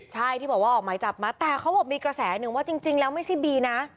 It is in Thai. ใช่ที่บอกว่าออกหมายจับมาแต่เขาบอกมีกระแสหนึ่งว่าจริงแล้วไม่ใช่บีนะ